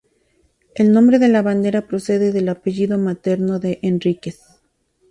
El nombre de la banda procede del apellido materno de Henríquez.